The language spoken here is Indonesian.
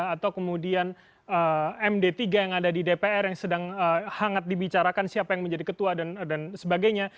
atau kemudian md tiga yang ada di dpr yang sedang hangat dibicarakan siapa yang menjadi ketua dan sebagainya